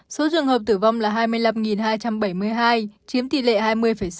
số trường hợp tử vong là hai mươi năm hai trăm bảy mươi hai chiếm tỷ lệ hai mươi sáu